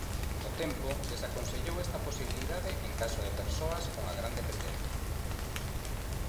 Ao tempo, desaconsellou esta posibilidade en caso de persoas cunha gran dependencia.